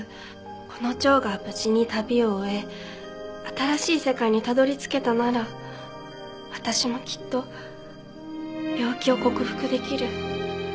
この蝶が無事に旅を終え新しい世界にたどり着けたなら私もきっと病気を克服できる。